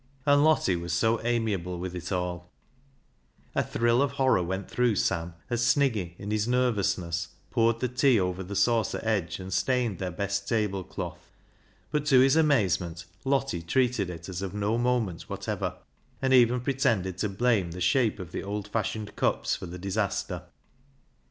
And Lottie was so amiable with it all, A thrill of horror went through Sam as Sniggy in his nervousness poured the tea over the saucer edge and stained their best tablecloth, but to his amazement Lottie treated it as of no moment whatever, and even pretended to blame the shape of the old fashioned cups for the disaster.